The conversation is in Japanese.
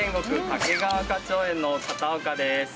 掛川花鳥園の片岡です